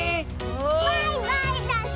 バイバイだし！